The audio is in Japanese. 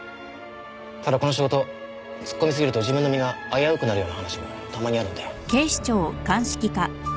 ただこの仕事突っ込みすぎると自分の身が危うくなるような話もたまにあるんで。